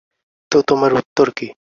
তো তোমার উত্তর কী?